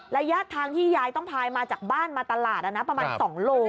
ระยะทางที่ยายต้องพายมาจากบ้านมาตลาดอ่ะนะประมาณสองโลอ่ะ